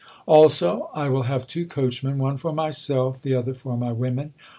Also, I will have two coachmen, one for myself, the other for my women.